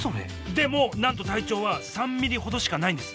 でもなんと体長は３ｍｍほどしかないんです。